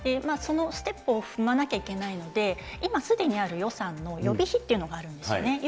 そのステップを踏まなきゃいけないので、今、すでにある予算の予備費というのがあるんですね。